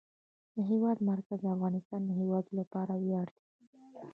د هېواد مرکز د افغانستان د هیوادوالو لپاره ویاړ دی.